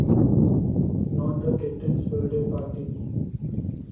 Not the Captain's Birthday Party?